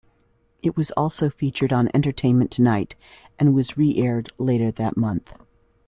It was also featured on "Entertainment Tonight" and was re-aired later that month.